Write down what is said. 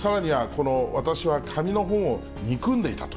この私は紙の本を憎んでいたと。